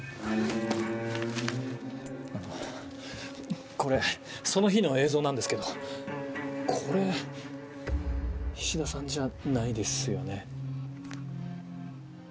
あのこれその日の映像なんですけどこれ菱田さんじゃないですよね？